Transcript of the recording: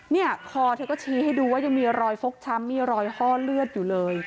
เนี่ยคอเธอก็ชี้ให้ดูว่ายังมีรอยฟกช้ำมีรอยห้อเลือดอยู่เลย